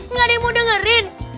nggak ada yang mau dengerin